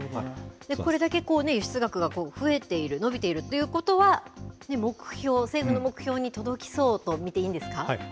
これだけ、輸出額が増えている、伸びているということは、目標、政府の目標に届きそうと見ていいんですか？